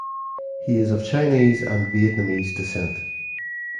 He is of Chinese and Vietnamese descent.